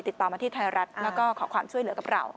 ติดต่อมาที่ไทยรัฐแล้วก็ขอความช่วยเหลือกับเรา